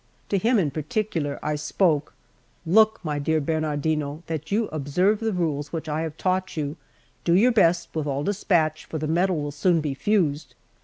To him in particular I spoke: "Look, my dear Bernardino, that you observe the rules which I have taught you; do your best with all despatch, for the metal will soon be fused.